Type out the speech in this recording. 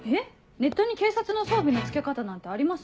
ネットに警察の装備の着け方なんてあります？